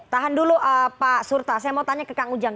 lalu pak surta saya mau tanya ke kang ujang